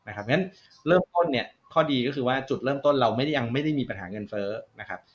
เพราะฉะนั้นเริ่มต้นเนี่ยข้อดีก็คือว่าจุดเริ่มต้นเรายังไม่ได้มีปัญหาเงินเฟ้อนะครับ